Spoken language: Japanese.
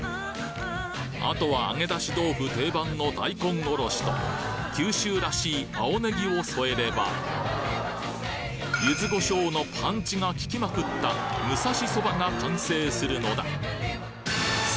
あとは揚げ出し豆腐定番の大根おろしと九州らしい青ねぎを添えればゆず胡椒のパンチがききまくった武蔵そばが完成するのだ